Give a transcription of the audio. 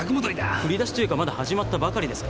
振り出しというかまだ始まったばかりですから。